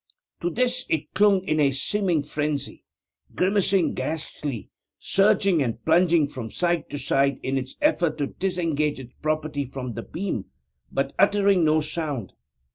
To this it clung in a seeming frenzy, grimacing ghastly, surging and plunging from side to side in its efforts to disengage its property from the beam, but uttering no sound.